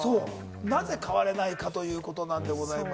なぜ変われないかということでございます。